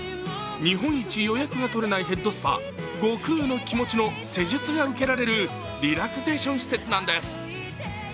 日本一予約が取れないヘッドスパ、悟空のきもちの施術が受けられるリラクゼーション施設なんです。